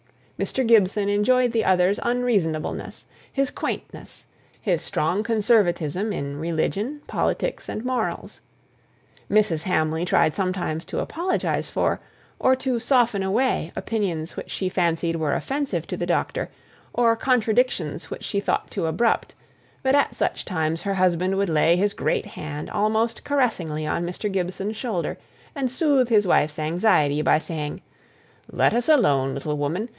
Mr. Gibson enjoyed the other's unreasonableness; his quaintness; his strong conservatism in religion, politics, and morals. Mrs. Hamley tried sometimes to apologize for, or to soften away, opinions which she fancied were offensive to the doctor, or contradictions which she thought too abrupt; but at such times her husband would lay his great hand almost caressingly on Mr. Gibson's shoulder, and soothe his wife's anxiety, by saying, "Let us alone, little woman.